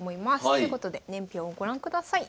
ということで年表をご覧ください。